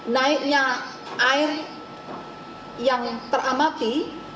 naiknya air yang teramati